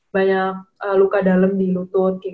banyak luka dalam di lutut